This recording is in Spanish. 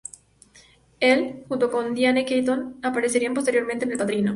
Él, junto con Diane Keaton, aparecerían posteriormente en "El padrino".